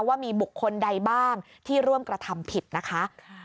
ว่ามีบุคคลใดบ้างที่ร่วมกระทำผิดนะคะ